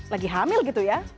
lagi hamil gitu ya